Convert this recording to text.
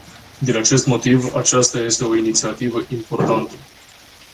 Din acest motiv, aceasta este o inițiativă importantă.